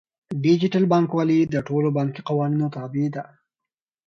ډیجیټل بانکوالي د ټولو بانکي قوانینو تابع ده.